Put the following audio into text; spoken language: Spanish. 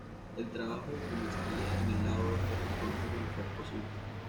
El trabajo comenzaría en el lado oeste tan pronto como fuera posible.